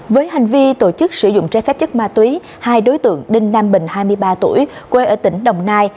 với hành vi tổ chức sử dụng trái phép chất ma túy hai đối tượng đinh nam bình hai mươi ba tuổi quê ở tỉnh đồng nai